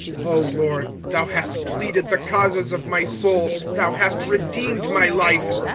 25:003:058 O LORD, thou hast pleaded the causes of my soul; thou hast redeemed my life.